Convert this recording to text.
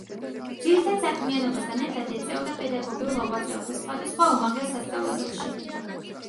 ძირითად საქმიანობასთან ერთად ეწეოდა პედაგოგიურ მოღვაწეობას სხვადასხვა უმაღლეს სასწავლებელში.